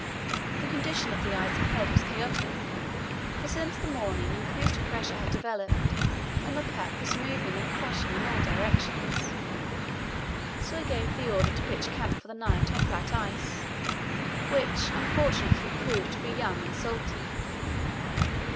The condition of the ice ahead was chaotic, for since the morning increased pressure had developed and the pack was moving and crushing in all directions. So I gave the order to pitch camp for the night on flat ice, which, unfortunately, proved to be young and salty.